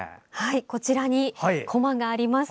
こちらにこまがあります。